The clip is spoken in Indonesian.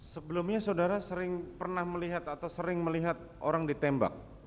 sebelumnya saudara sering pernah melihat atau sering melihat orang ditembak